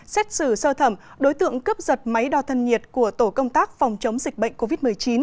xét xử sơ thẩm đối tượng cướp giật máy đo thân nhiệt của tổ công tác phòng chống dịch bệnh covid một mươi chín